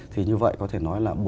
thì như vậy có thể nói là